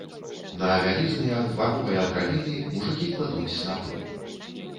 На вялізныя дваровыя драбіны мужыкі кладуць снапы.